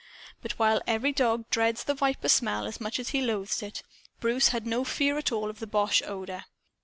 But while every dog dreads the viper smell as much as he loathes it, Bruce had no fear at all of the boche odor.